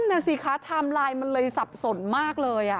นั่นน่ะสิคะไทม์ไลน์มันเลยสับสนมากเลย